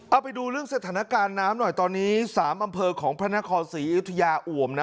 เอาไปดูเรื่องสถานการณ์น้ำหน่อยตอนนี้๓อำเภอของพระนครศรีอยุธยาอ่วมนะ